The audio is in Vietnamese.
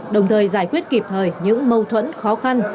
đồng thời giải quyết kịp thời những mâu thuẫn khó khăn